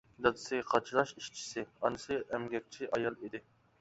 دادىسى قاچىلاش ئىشچىسى، ئانىسى ئەمگەكچى ئايال ئىدى.